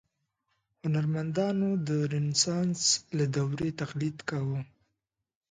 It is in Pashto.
هنرمندانو د رنسانس له دورې تقلید کاوه.